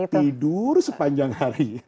tidur sepanjang hari